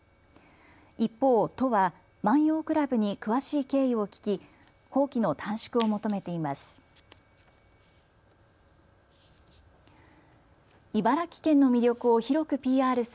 一方、都は万葉倶楽部に詳しい経緯を聞き工期の短縮を求めています。